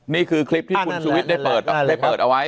นี่คือคลิปที่คุณชูวิทย์ได้เปิดได้เปิดเอาไว้